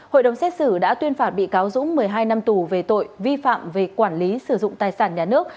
hội đồng xét xử đã tuyên phạt bị cáo dũng một mươi hai năm tù về tội vi phạm về quản lý sử dụng tài sản nhà nước